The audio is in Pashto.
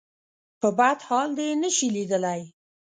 په بد حال دې نه شي ليدلی.